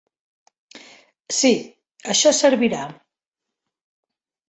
Sí, això servirà.